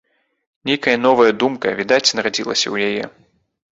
Нейкая новая думка, відаць, нарадзілася ў яе.